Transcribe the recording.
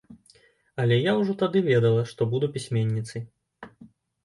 Але я ўжо тады ведала, што буду пісьменніцай.